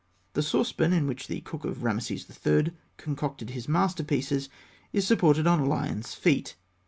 The saucepan in which the cook of Rameses III. concocted his masterpieces is supported on lions' feet.